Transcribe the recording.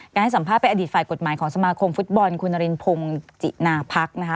การให้สัมภาษณ์ไปอดีตฝ่ายกฎหมายของสมาคมฟุตบอลคุณอรินพงษ์จินาพักษ์